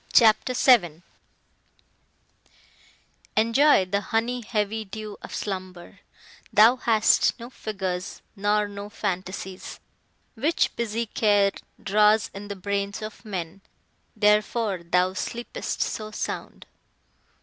CHAPTER VII Enjoy the honey heavy dew of slumber; Thou hast no figures, nor no fantasies, Which busy care draws in the brains of men; Therefore thou sleep'st so sound.